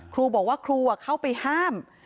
ครูบอกว่าครูเข้าไปห้าม